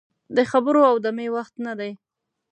د خبرو او دمې وخت نه دی.